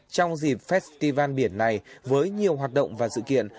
trong dịp festival biển này với nhiều hoạt động và sự kiện